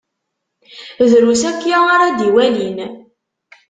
Drus akya ara d-iwalin.